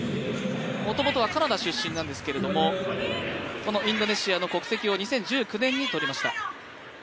もともとはカナダ出身なんですけどインドネシアの国籍を２０１９年にとりました。